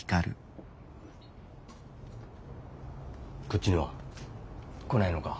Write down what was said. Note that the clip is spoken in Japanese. こっちには来ないのか？